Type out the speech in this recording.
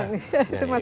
itu masih sangat terasa